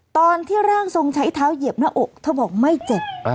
ตอนที่ร่างทรงใช้เท้าเหยียบหน้าอกเธอบอกไม่เจ็บ